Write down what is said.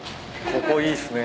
ここいいっすね。